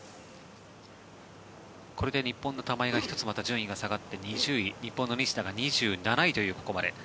これで日本の玉井がまた１つ順位が下がって２０位日本の西田が２０位という、ここまで。